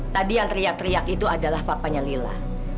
tadi yang teriak teriak itu adalah papanya lila